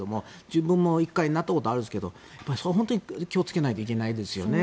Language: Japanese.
自分も一回なったことがあるんですが本当に気をつけないといけないですよね。